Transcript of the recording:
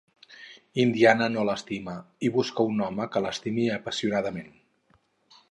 Indiana no l'estima i busca un home que l'estimi apassionadament.